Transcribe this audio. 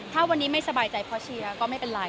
ถ้าวันนี้ไม่สบายใจเพราะเชียร์ก็ไม่เป็นไร